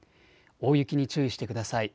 大雪に注意してください。